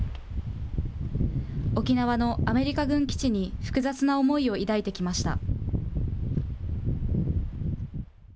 沖縄のアメリカ軍基地に複雑な思いを抱いてきました。